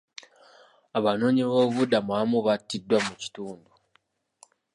Abanoonyiboobubudamu abamu battiddwa mu kitundu.